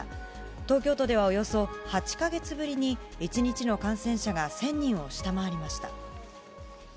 東京都ではおよそ８か月ぶりに１日の感染者が１０００人を下回りました。